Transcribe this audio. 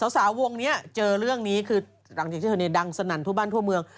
สาววงนี้เจอเรื่องนี้คือหลังจากที่เธอเนี่ยดังสนั่นทั่วบ้านทั่วเมือง